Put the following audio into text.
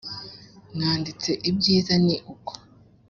mwanditse ibyiza ni uko